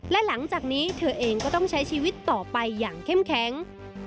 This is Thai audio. และหลังจากนี้เธอเองก็ต้องใช้ชีวิตต่อไปอย่างเข้มแข็ง